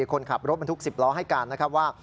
คนขับรถบรรทุก๑๐ล้อให้การว่า